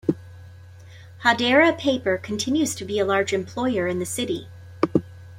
Hadera Paper continues to be a large employer in the city.